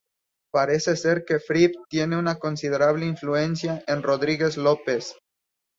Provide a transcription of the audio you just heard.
Parece ser que Fripp tiene una considerable influencia en Rodríguez-López.